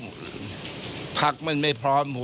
เค้าพักมันไม่พร้อมนะครับ